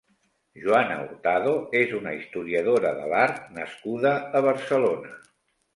Joana Hurtado és una historiadora de l'art nascuda a Barcelona.